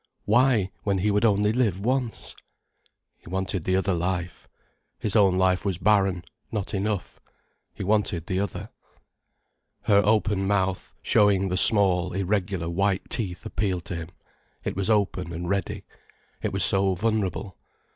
Why, when he would only live once? He wanted the other life. His own life was barren, not enough. He wanted the other. Her open mouth, showing the small, irregular, white teeth, appealed to him. It was open and ready. It was so vulnerable.